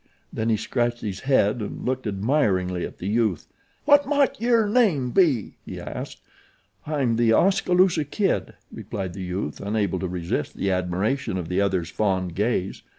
Then he scratched his head and looked admiringly at the youth. "What mought yer name be?" he asked. "I'm The Oskaloosa Kid," replied the youth, unable to resist the admiration of the other's fond gaze.